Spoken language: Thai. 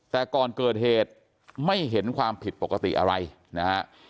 แต่ก่อนเกิดเหตุไม่เห็นความผิดปกติอะไรนะฮะ